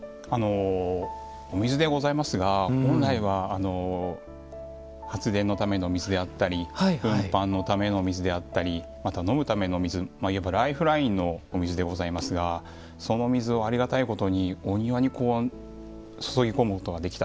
お水でございますが本来は発電のための水であったり運搬のための水であったりまた飲むための水いわばライフラインのお水でございますがその水をありがたいことにお庭に注ぎ込むことができたと。